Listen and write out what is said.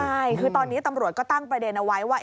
ใช่คือตอนนี้ตำรวจก็ตั้งประเด็นเอาไว้ว่า